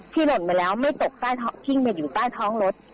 หล่นไปแล้วไม่ตกใต้ท้องที่อยู่ใต้ท้องรถ